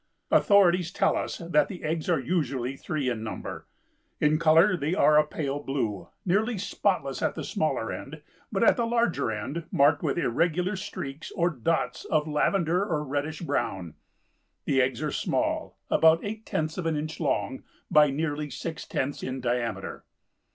Authorities tell us that the eggs are usually three in number. In color they are a pale blue, nearly spotless at the smaller end, but at the larger end marked with irregular streaks or dots of lavender or reddish brown. The eggs are small, about eight tenths of an inch long by nearly six tenths in diameter.